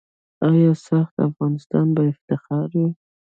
آیا "ساخت افغانستان" به افتخار وي؟